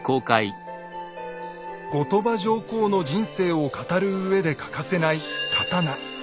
後鳥羽上皇の人生を語るうえで欠かせない刀。